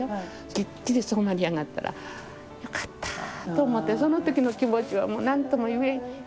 きっちり染まり上がったらよかったと思ってその時の気持ちはなんともいえん。